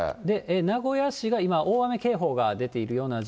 名古屋市が今、大雨警報が出ているような状況。